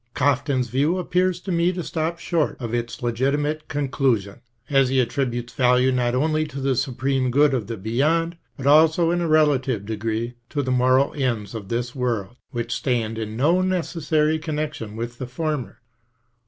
Kaftan's view appears to me to stop short of its legiti mate conclusion, as he attributes value not only to the supreme good of the beyond, but also, in a relative degree, to the moral ends of this world, which stand in no necessary connection with the former.